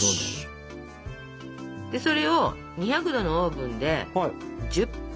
それを２００℃のオーブンで１０分！